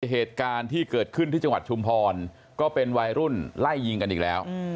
เหตุการณ์ที่เกิดขึ้นที่จังหวัดชุมพรก็เป็นวัยรุ่นไล่ยิงกันอีกแล้ว